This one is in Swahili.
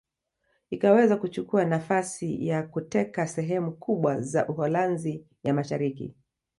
Ikaweza kuchukua nafasi ya kuteka sehemu kubwa za Uholanzi ya Mashariki